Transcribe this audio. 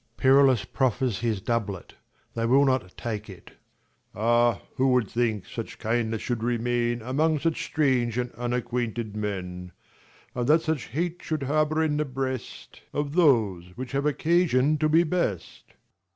[Perillus proffers his doublet : they 'will not take it. Leir. Ah, who would think such kindness should remain Among such strange and unacquainted men : 121 And that such hate should harbour in the breast Sc. iv] HIS THREE DAUGHTERS 89 Of those, which have occasion to be best